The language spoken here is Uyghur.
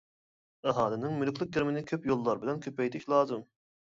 ئاھالىنىڭ مۈلۈكلۈك كىرىمىنى كۆپ يوللار بىلەن كۆپەيتىش لازىم.